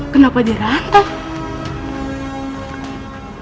kenapa dia rantai